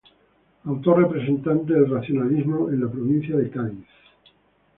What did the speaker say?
Autor representante del Racionalismo en la provincia de Cádiz.